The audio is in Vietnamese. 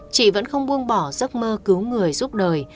chị vẫn không buông bỏ giấc mơ cứu người giúp đời